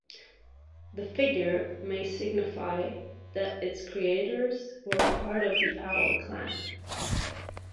The figure may signify that its creators were part of the owl clan.